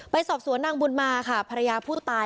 ไปสอบสวนนางบุญมาค่ะภรรยาผู้ตาย